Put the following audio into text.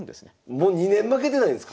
もう２年負けてないんすか⁉